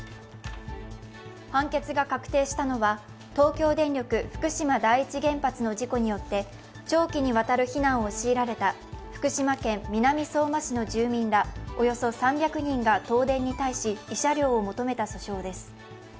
判決が確定したのは、東京電力福島第一原発の事故によって長期にわたる避難を強いられた福島県南相馬市の住民らおよそ３００人が東電に対し慰謝料を求めた訴訟です。